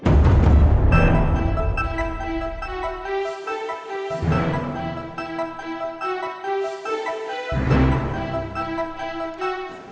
aku mau pergi ke rumah